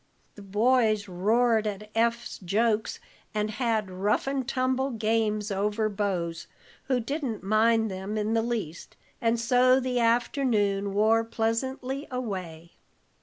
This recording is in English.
The boys roared at Eph's jokes, and had rough and tumble games over Bose, who didn't mind them in the least; and so the afternoon wore pleasantly away.